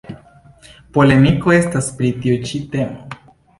Polemiko estas pri tiu ĉi temo.